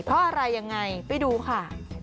เพราะอะไรยังไงไปดูค่ะ